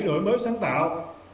đổi mới sáng tạo